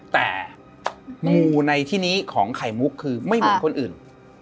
แต่งูในที่นี้ของไข่มุกคือไม่เหมือนคนอื่น